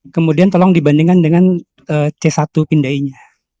kemudian tolong dibandingkan dengan c satu pindainya